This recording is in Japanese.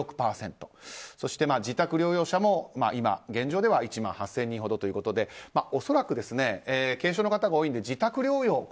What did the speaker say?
そして自宅療養者も現状では１万８０００人ほどということで恐らく、軽症の方が多いので自宅療養